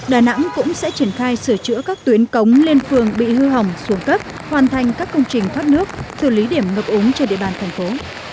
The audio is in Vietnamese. đà nẵng cũng sẽ triển khai sửa chữa các tuyến cống lên phường bị hư hỏng xuống cấp hoàn thành các công trình thoát nước xử lý điểm ngập úng trên địa bàn thành phố